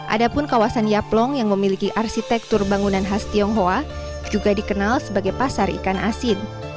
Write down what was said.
ada pun kawasan yaplong yang memiliki arsitektur bangunan khas tionghoa juga dikenal sebagai pasar ikan asin